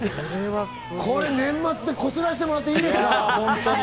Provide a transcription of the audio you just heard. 年末でこすらせてもらっていいですか？